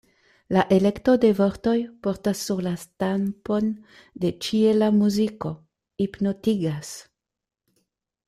La elekto de vortoj portas sur si la stampon de ĉiela muziko, hipnotigas.